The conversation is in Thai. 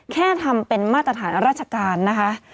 แค่ทำเป็นมาตรฐานราชการนะคะ